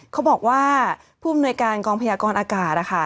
เขาบอกว่าผู้อำนวยการกองพยากรอากาศนะคะ